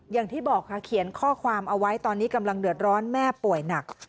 อย่างที่บอกค่ะเขียนข้อความเอาไว้ตอนนี้กำลังเดือดร้อนแม่ป่วยหนัก